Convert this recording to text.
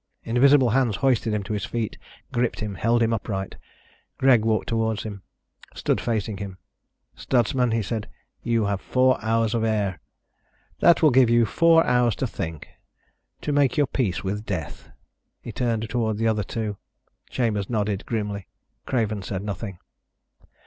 Invisible hands hoisted him to his feet, gripped him, held him upright. Greg walked toward him, stood facing him. "Stutsman," he said, "you have four hours of air. That will give you four hours to think, to make your peace with death." He turned toward the other two. Chambers nodded grimly. Craven said nothing.